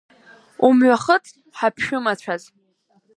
Умҩахыҵ, ҳаԥшәымацәаз!